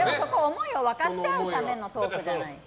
思いを分かち合うためのトークじゃない。